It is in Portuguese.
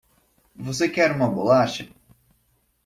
Você quer uma bolacha?